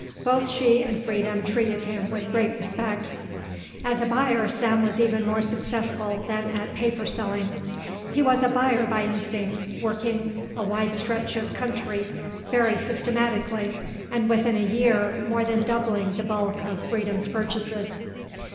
Both she and Freedom treated him with great respect. As a buyer Sam was even more successful than at the paper selling. He was a buyer by instinct, working a wide stretch of country very systematically and within a year more than doubling the bulk of Freedom's purchases.